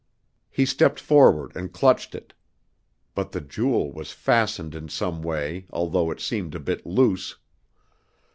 He stepped forward and clutched it. But the jewel was fastened in some way although it seemed a bit loose.